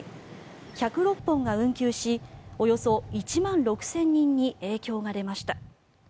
１０６本が運休しおよそ１万６０００人に影響が出ました。